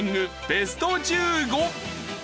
ベスト１５。